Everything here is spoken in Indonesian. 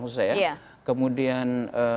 untuk saya kemudian